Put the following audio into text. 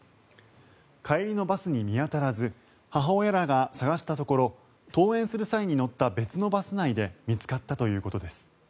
帰りのバスに見当たらず母親らが捜したところ登園する際に乗った別のバス内で見つかったということです。